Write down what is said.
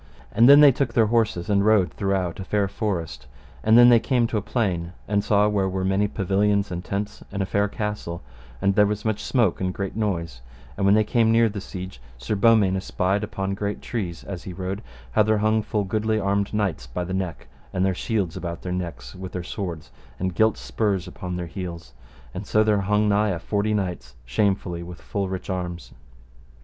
And then they took their horses and rode throughout a fair forest; and then they came to a plain, and saw where were many pavilions and tents, and a fair castle, and there was much smoke and great noise; and when they came near the siege Sir Beaumains espied upon great trees, as he rode, how there hung full goodly armed knights by the neck, and their shields about their necks with their swords, and gilt spurs upon their heels, and so there hung nigh a forty knights shamefully with full rich arms.